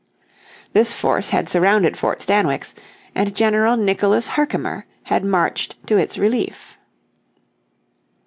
This force had surrounded Fort Stanwix, and General Nicholas Herkimer had marched to its relief.